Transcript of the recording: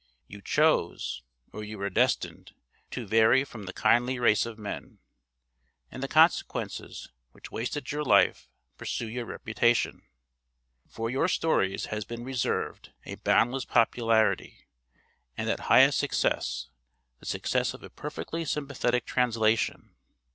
You chose, or you were destined To vary from the kindly race of men; and the consequences, which wasted your life, pursue your reputation. For your stories has been reserved a boundless popularity, and that highest success the success of a perfectly sympathetic translation.